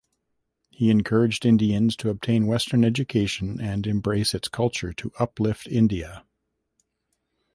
He encouraged Indians to obtain western education and embrace its culture to uplift India.